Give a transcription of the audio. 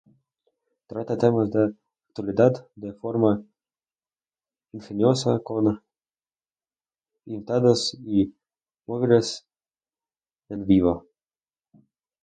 Trata temas de actualidad de forma ingeniosa con invitados y móviles en vivo.